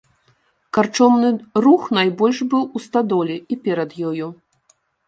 Карчомны рух найбольш быў у стадоле і перад ёю.